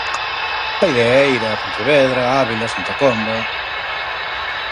A idea é ir "a Pontevedra, Ávila, Santa Comba...".